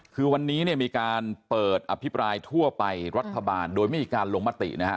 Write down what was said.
คือวันนี้เนี่ยมีการเปิดอภิปรายทั่วไปรัฐบาลโดยไม่มีการลงมตินะฮะ